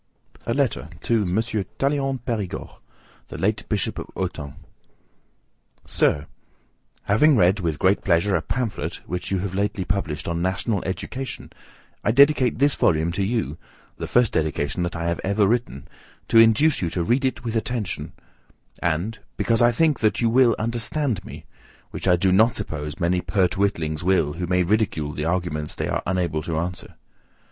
TO M. TALLEYRAND PERIGORD, LATE BISHOP OF AUTUN. Sir: Having read with great pleasure a pamphlet, which you have lately published, on National Education, I dedicate this volume to you, the first dedication that I have ever written, to induce you to read it with attention; and, because I think that you will understand me, which I do not suppose many pert witlings will, who may ridicule the arguments they are unable to answer.